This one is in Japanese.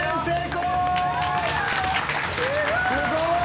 すごい！